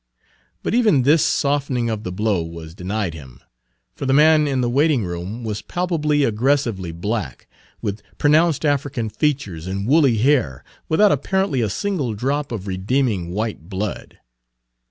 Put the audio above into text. But even this softening of the blow was denied him, for the man in the waiting room was palpably, aggressively black, with pronounced African features and woolly hair, without apparently a single drop of redeeming white blood.